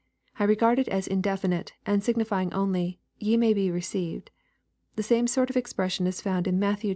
I regard it as indefinite, and signi fying only, Ye may be received." The same sort of expression is found in Matt i.